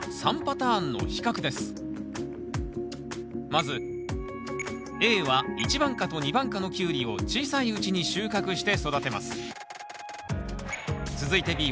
まずＡは１番果と２番果のキュウリを小さいうちに収穫して育てます。